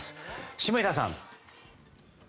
下平さん。